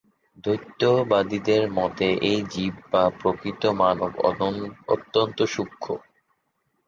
দ্বৈতবাদীদের মতে এই জীব বা প্রকৃত মানব অত্যন্ত সূক্ষ্ম।